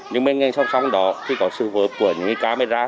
những người ngay song song đó thì có sự hỗn hợp của những camera